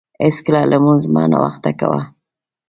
هیڅکله لمونځ مه ناوخته کاوه.